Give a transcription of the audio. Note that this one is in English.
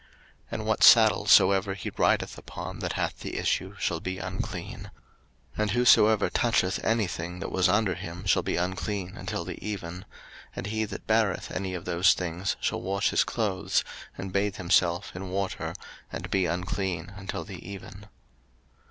03:015:009 And what saddle soever he rideth upon that hath the issue shall be unclean. 03:015:010 And whosoever toucheth any thing that was under him shall be unclean until the even: and he that beareth any of those things shall wash his clothes, and bathe himself in water, and be unclean until the even.